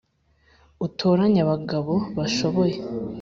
Kv utoranye abagabo bashoboye